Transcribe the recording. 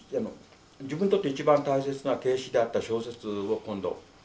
自分にとって一番大切な形式であった小説を今度。